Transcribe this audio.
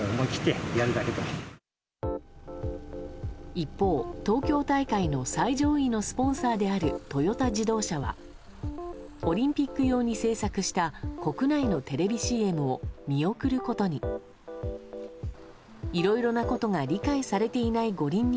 一方、東京大会の最上位のスポンサーであるトヨタ自動車はオリンピック用に制作した国内のテレビＣＭを見送ることに。